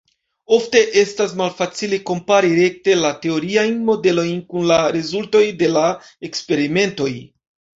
Ofte estas malfacile kompari rekte la teoriajn modelojn kun la rezultoj de la eksperimentoj.